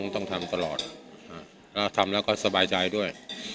ต้องทำตลอดถ้าทำแล้วก็สบายใจด้วย